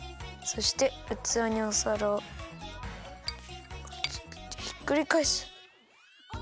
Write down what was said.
そしてうつわにおさらをかぶせてひっくりかえす。